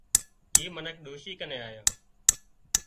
اي منک ڏوشي ڪنين آيان